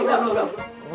lupa lupa lupa